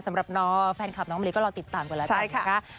สำหรับน้องแฟนคลับน้องมะลิก็รอติดตามก่อนละใช่ค่ะ